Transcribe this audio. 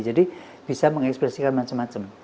jadi bisa mengekspresikan macam macam